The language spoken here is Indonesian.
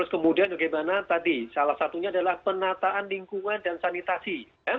kemudian bagaimana tadi salah satunya adalah penataan lingkungan dan sanitasi